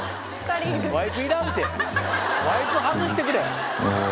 ワイプいらんてワイプ外してくれ。